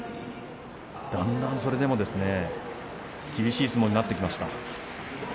だんだん、それでも厳しい相撲になってきました。